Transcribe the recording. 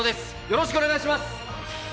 よろしくお願いします！